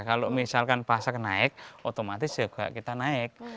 kalau misalkan pasar naik otomatis juga kita naik